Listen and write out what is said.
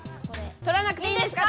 とらなくていいんですか？